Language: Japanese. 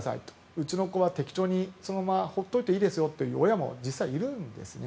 うちの子はそのまま適当に放っておいていいですよと言う親は実際いるんですね。